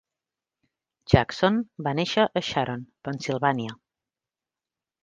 Jackson va néixer a Sharon, Pennsilvània.